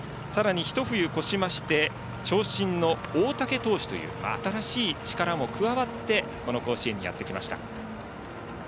さらに一冬越しまして長身の大竹投手という新しい力も加わって甲子園にやってきました。